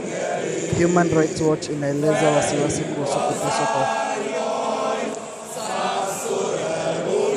Human Rights Watch inaelezea wasiwasi kuhusu kuteswa wafungwa nchini Uganda